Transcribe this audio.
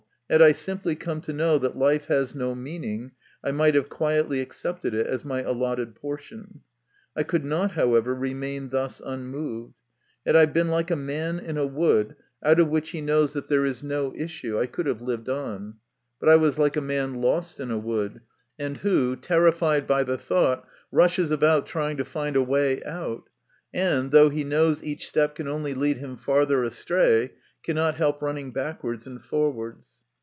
Had I simply come to know that life has no meaning, I might have quietly accepted it as my allotted portion. I could not, however, remain thus unmoved. Had I been like a man in a wood, out of which he knows that there MY CONFESSION. 37 is no issue, I could have lived on ; but I was like a man lost in a wood, and who, terrified by the thought, rushes about trying to find a way out, and, though he knows each step can only lead him farther astray, cannot help running backwards and forwards.